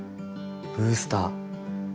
ブースター。